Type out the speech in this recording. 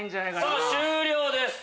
さぁ終了です。